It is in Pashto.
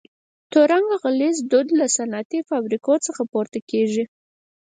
تور رنګه غلیظ دود له صنعتي فابریکو څخه پورته کیږي.